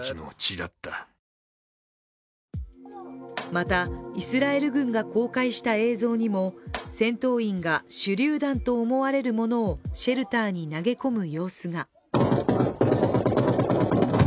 またイスラエル軍が公開した映像にも戦闘員が手りゅう弾と思われるものをシェルターに投げ込む様子が。